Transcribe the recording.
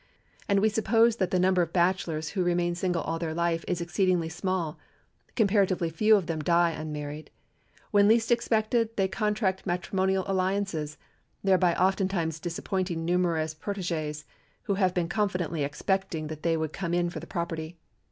And we suppose that the number of bachelors who remain single all their life is exceedingly small; comparatively few of them die unmarried. When least expected they contract matrimonial alliances, thereby ofttimes disappointing numerous protégés, who have been confidently expecting that they would come in for the property.